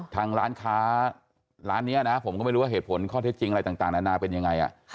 ทางร้านค้าร้านนี้นะผมก็ไม่รู้ว่าเหตุผลข้อเท็จจริงอะไรต่างนานาเป็นยังไง